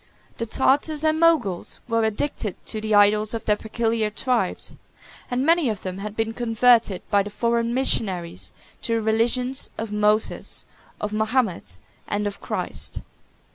The Tartars and Moguls were addicted to the idols of their peculiar tribes; and many of them had been converted by the foreign missionaries to the religions of Moses, of Mahomet, and of Christ.